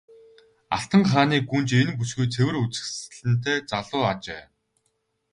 Алтан хааны гүнж энэ бүсгүй цэвэр үзэсгэлэнтэй нас залуу ажээ.